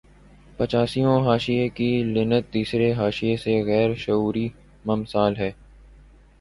پچاسویں حاشیے کی لینتھ تیسرے حاشیے سے غیر شعوری مماثل ہے